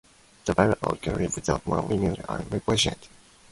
The tablet is on display at the Istanbul Museum of the Ancient Orient.